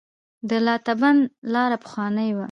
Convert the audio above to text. د لاتابند لاره پخوانۍ وه